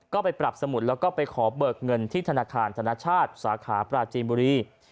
ก็ไปปรับสมุดแล้วก็ไปขอเบิกเงินที่ธนาคารธนชาติสาขาปราจีนบุรี